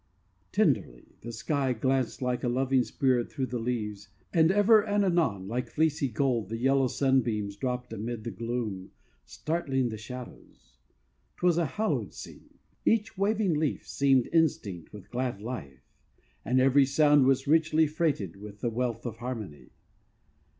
Tenderly, the sky Glanced like a loving spirit through the leaves; And, ever and anon, like fleecy gold, The yellow sunbeams dropped amid the gloom Startling the shadows. Twas a hallowed scene! Each waving leaf seemed Instinct with glad life, And every sound was richly freighted with The wealth of harmony.